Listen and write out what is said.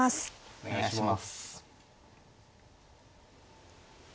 お願いします。